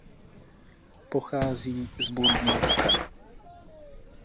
Pochází z Burgundska.